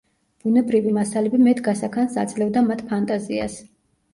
ბუნებრივი მასალები მეტ გასაქანს აძლევდა მათ ფანტაზიას.